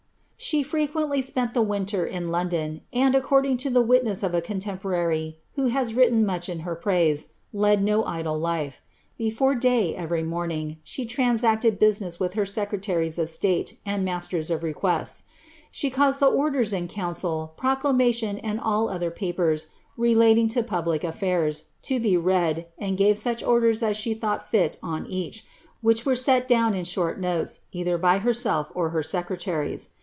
She frequently spent the winter in London, and, according to i witness of a contemporary, who has written much in her praise, led . idle life. Before day, every morning, she transacted business with 1; secretaries of state and masters of requests. She caused the ordera council, proclamations, and all other papers relating to public atlsirs, be read, and gave such orders as she thought fii on each, which wi set down in short notes, either by herself or her secretaries.